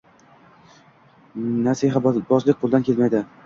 Nasihatbozlik qo‘lidan kelmaydi.